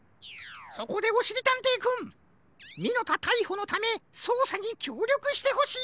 そこでおしりたんていくんミノタたいほのためそうさにきょうりょくしてほしいのじゃ。